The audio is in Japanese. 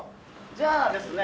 じゃあですね